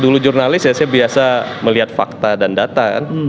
dulu jurnalis ya saya biasa melihat fakta dan data kan